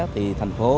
thì thành phố